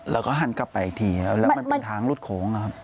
แล้วก็หันกลับไปอีกทีแล้วแล้วมันเป็นทางรถโขงครับ